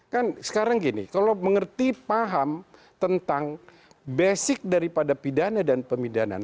kan sekarang gini kalau mengerti paham tentang basic daripada pidana dan pemidanaan